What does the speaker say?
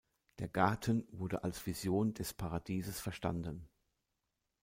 Der Garten wurde als Vision des Paradieses verstanden.